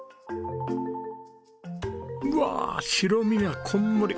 うわあ白身がこんもり。